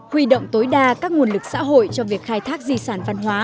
huy động tối đa các nguồn lực xã hội cho việc khai thác di sản văn hóa